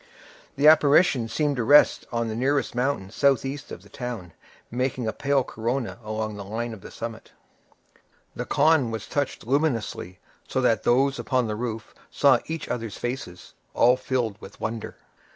The apparition seemed to rest on the nearest mountain southeast of the town, making a pale corona along the line of the summit. The khan was touched luminously, so that those upon the roof saw each other's faces, all filled with wonder.